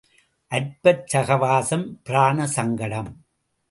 அற்பச் சகவாசம் பிராண சங்கடம்.